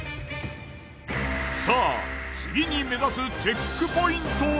さぁ次に目指すチェックポイントは？